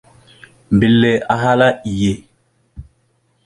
Mbelle ahala: « Iye ».